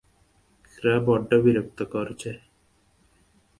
সাংবাদিকরা বড্ড বিরক্ত করছে।